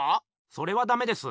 それはダメです。